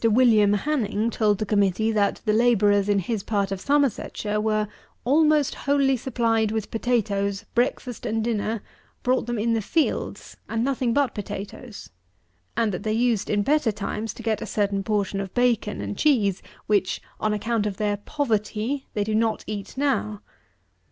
WILLIAM HANNING told the Committee that the labourers in his part of Somersetshire were "almost wholly supplied with potatoes, breakfast and dinner, brought them in the fields, and nothing but potatoes; and that they used, in better times, to get a certain portion of bacon and cheese, which, on account of their "poverty, they do not eat now."